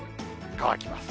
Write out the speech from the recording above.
乾きます。